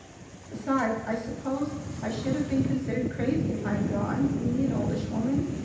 Besides, I suppose I should have been considered crazy if I had gone, me, an oldish woman!